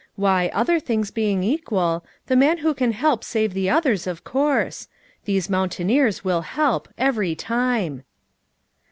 Why, other things being equal, the man who can help save the others, of course ; these mountaineers will help, every time."